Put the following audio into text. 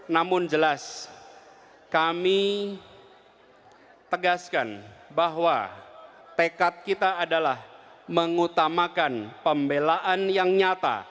namun jelas kami tegaskan bahwa tekad kita adalah mengutamakan pembelaan yang nyata